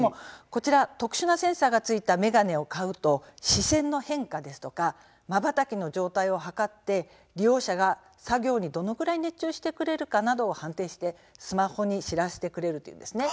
特殊なセンサーがついた眼鏡を買うと視線の変化ですとかまばたきの状態を測って利用者が作業にどのくらい熱中しているかなどを判定してスマホに知らせてくれるんです。